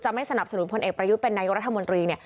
ไม่สนับสนุนพลเอกประยุทธ์เป็นนายกรัฐมนตรีเนี่ย